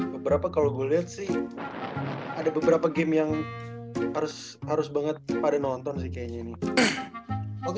beberapa kalau gue lihat sih ada beberapa game yang harus banget pada nonton sih kayaknya nih